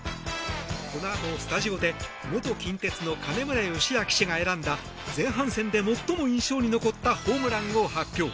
このあとスタジオで元近鉄の金村義明氏が選んだ前半戦で最も印象に残ったホームランを発表。